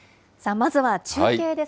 まずは中継です。